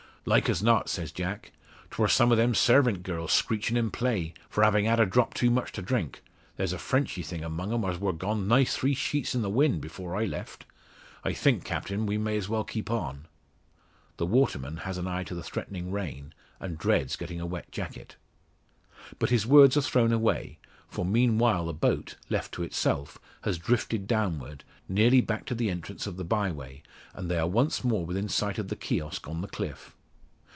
"Like as not," says Jack, "'twor some o' them sarvint girls screechin' in play, fra havin' had a drop too much to drink. There's a Frenchy thing among 'em as wor gone nigh three sheets i' the wind 'fores I left. I think, Captain, we may as well keep on." The waterman has an eye to the threatening rain, and dreads getting a wet jacket. But his words are thrown away; for, meanwhile, the boat, left to itself, has drifted downward, nearly back to the entrance of the bye way, and they are once more within sight of the kiosk on the cliff.